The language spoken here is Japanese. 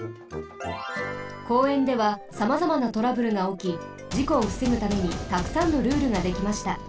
公園ではさまざまなトラブルがおきじこをふせぐためにたくさんのルールができました。